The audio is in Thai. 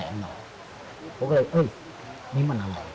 ผมก็เลยเออนี่มันอร่อย